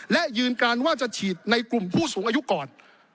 และยืนการว่าจะฉีดในกลุ่มผู้สูงอายุก่อน